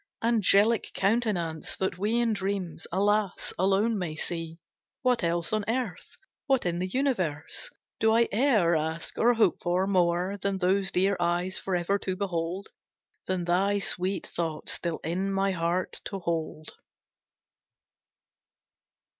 Angelic countenance, that we In dreams, alas, alone may see, What else on earth, what in the universe, Do I e'er ask, or hope for, more, Than those dear eyes forever to behold? Than thy sweet thought still in my heart to hold?